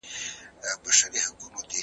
وخته ویده ښه یو چي پایو په تا نه سمیږو